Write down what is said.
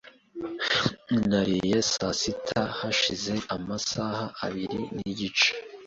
Nariye saa sita hashize amasaha abiri nigice .